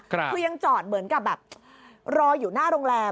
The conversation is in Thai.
คือยังจอดเหมือนกับแบบรออยู่หน้าโรงแรม